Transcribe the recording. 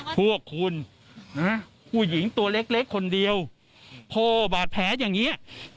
พวกคุณนะผู้หญิงตัวเล็กคนเดียวพ่อบาดแผลอย่างนี้